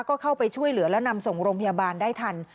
ก็เข้าไปช่วยเหลือแล้วนำส่งโรงพยาบาลได้ทัน